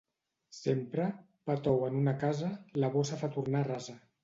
Sempre pa tou en una casa la bossa fa tornar rasa.